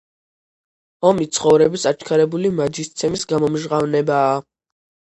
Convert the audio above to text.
ომი ცხოვრების აჩქარებული მაჯისცემის გამომჟღავნებაა.